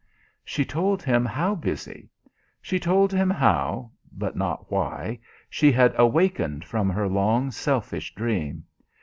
She told him how busy. She told him how, (but not why) she had awakened from her long, selfish dream.